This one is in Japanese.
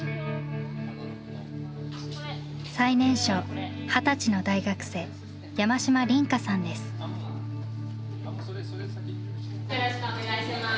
最年少二十歳の大学生よろしくお願いします。